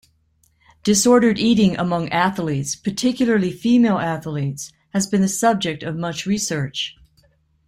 Disordered eating among athletes, particularly female athletes, has been the subject of much research.